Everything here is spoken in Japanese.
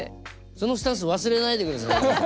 そのスタンス忘れないでくださいね。